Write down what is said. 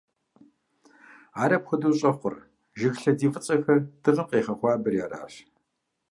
Ар апхуэдэу щӀэхъур, жыг лъэдий фӀыцӀэхэр дыгъэм къегъэхуабэри аращ.